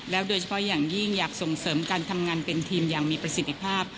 โดยเฉพาะอย่างยิ่งอยากส่งเสริมการทำงานเป็นทีมอย่างมีประสิทธิภาพ